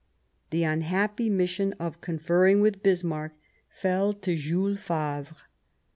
The unhappy mission of conferring with Bismarck fell to Jules Favre.